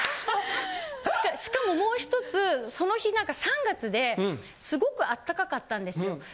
しかももう一つその日何か３月ですごくあったかかったんですよ。